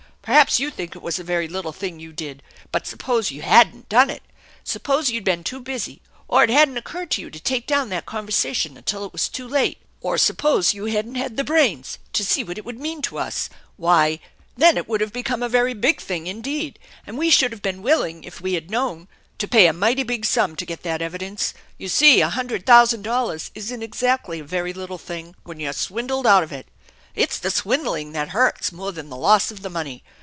Perhaps you think it was a very little thing you did, but suppose you hadn't done it. Sup pose you'd been too busy, or it hadn't occurred to you to take down that conversation until it was too late ; or suppose you hadn't had the brains to see what it would mean to us. Why. THE ENCHANTED BARN 194 then it would have become a very big thing indeed, and we should have been willing, if we had known, to pay a mighty big sum to get that evidence. You see a hundred thousand dollars isn't exactly a very little thing when you're swindled out of it. It's the swindling that hurts more than the loss of the money.